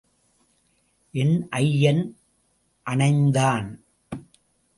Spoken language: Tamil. என் ஐயன் அணைந்தான்.